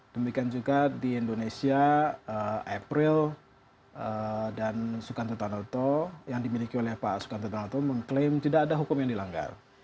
demikian juga di indonesia april dan sukanto tanoto yang dimiliki oleh pak sukanto tanoto mengklaim tidak ada hukum yang dilanggar